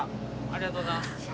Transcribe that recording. ありがとうございます。